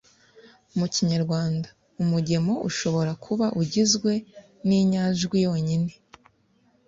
Mu kinyarwanda, umugemo ushobora kuba ugizwe n’inyajwi yonyine,